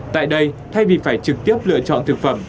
tại đây thay vì phải trực tiếp lựa chọn thực phẩm